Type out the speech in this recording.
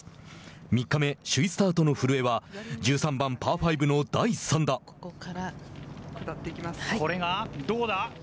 ３日目首位スタートの古江は、１３番、これがどうだ？